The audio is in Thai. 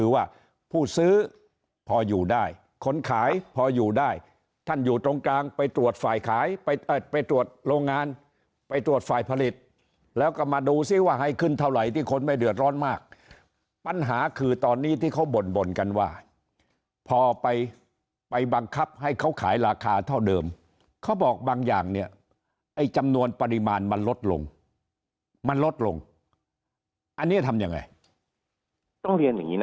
ว่าผู้ซื้อพออยู่ได้คนขายพออยู่ได้ท่านอยู่ตรงกลางไปตรวจฝ่ายขายไปตรวจโรงงานไปตรวจฝ่ายผลิตแล้วก็มาดูซิว่าให้ขึ้นเท่าไหร่ที่คนไม่เดือดร้อนมากปัญหาคือตอนนี้ที่เขาบ่นบ่นกันว่าพอไปไปบังคับให้เขาขายราคาเท่าเดิมเขาบอกบางอย่างเนี่ยไอ้จำนวนปริมาณมันลดลงมันลดลงอันนี้ทำยังไงต้องเรียนอย่างนี้นะ